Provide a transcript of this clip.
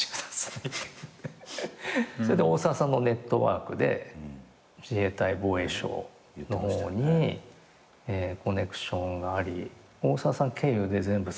それで大沢さんのネットワークで自衛隊防衛省の方にコネクションがあり大沢さん経由で全部そこの許諾がＯＫになった。